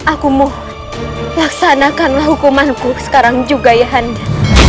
aku mau laksanakanlah hukumanku sekarang juga ayah anda